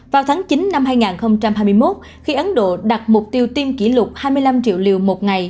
vào tháng chín năm hai nghìn hai mươi một khi ấn độ đặt mục tiêu tiêm kỷ lục hai mươi năm triệu liều một ngày